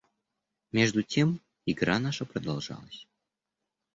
Между тем игра наша продолжалась.